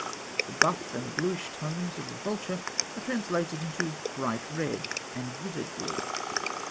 The buff and bluish hues of the vulture are translated into bright red and vivid blue.